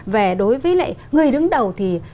về đối với lại người đứng đầu thì